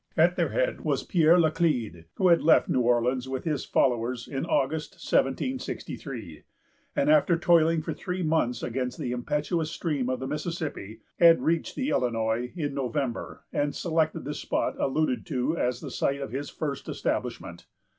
At their head was Pierre Laclede, who had left New Orleans with his followers in August, 1763; and, after toiling for three months against the impetuous stream of the Mississippi, had reached the Illinois in November, and selected the spot alluded to as the site of his first establishment.